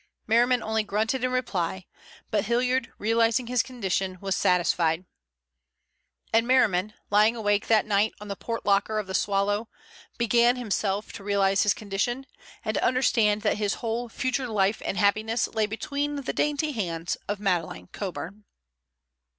Merriman only grunted in reply, but Hilliard, realizing his condition, was satisfied. And Merriman, lying awake that night on the port locker of the Swallow, began himself to realize his condition, and to understand that his whole future life and happiness lay between the dainty hands of Madeleine Coburn.